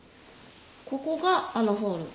ここがあのホール。